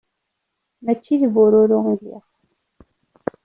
Mačči d bururu i lliɣ.